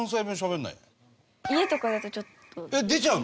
家とかだとちょっと出ちゃう。